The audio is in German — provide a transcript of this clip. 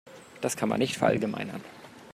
Das kann man nicht verallgemeinern.